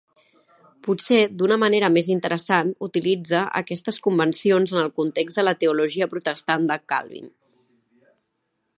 Potser d'una manera més interessant, utilitza aquestes convencions en el context de la teologia protestant de Calvin.